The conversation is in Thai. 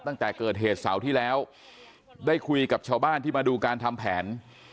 ตั้งแต่เกิดเหตุเสาร์ที่แล้วได้คุยกับชาวบ้านที่มาดูการทำแผน